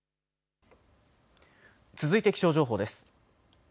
続いて気象情報です。